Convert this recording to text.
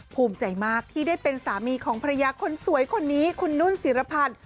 ภูมิใจมากที่ได้เป็นสามีของภรรยาคนสวยคนนี้คุณนุ่นศิรพันธ์